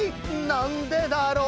「なんでだろう」